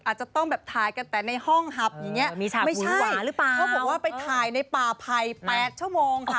อาจจะต้องแบบถ่ายกันแต่ในห้องหับอย่างเงี้ยไม่ใช่เขาบอกว่าไปถ่ายในป่าไผ่แปดชั่วโมงค่ะ